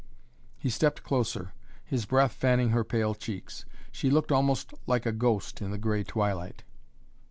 He stepped closer, his breath fanning her pale cheeks. She looked almost like a ghost in the grey twilight.